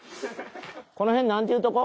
この辺なんていうとこ？